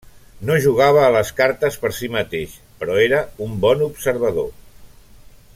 No jugava a les cartes per si mateix, però era un bon observador.